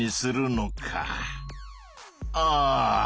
ああ！